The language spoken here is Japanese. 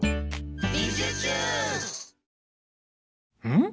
ん？